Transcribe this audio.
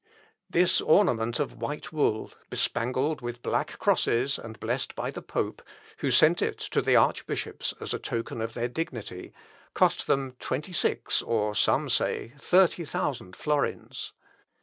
This ornament of white wool, bespangled with black crosses and blessed by the pope, who sent it to the archbishops as a token of their dignity, cost them twenty six, or, some say, thirty thousand florins.